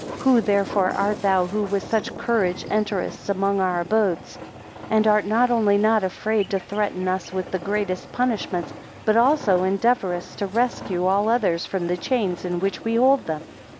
11 Who therefore art thou, who with such courage enterest among our abodes, and art not only not afraid to threaten us with the greatest punishments, but also endeavourest to rescue all others from the chains in which we hold them?